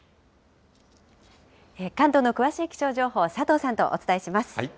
関東の詳しい気象情報、佐藤さんとお伝えします。